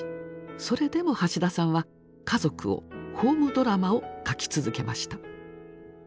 それでも橋田さんは家族をホームドラマを書き続けました。